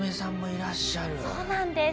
そうなんです。